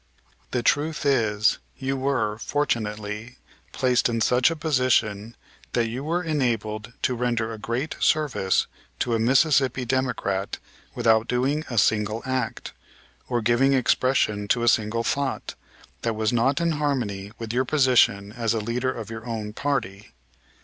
The truth is, you were, fortunately, placed in such a position that you were enabled to render a great service to a Mississippi Democrat without doing a single act, or giving expression to a single thought, that was not in harmony with your position as a leader of your own party.